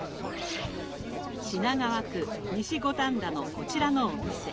品川区西五反田のこちらのお店。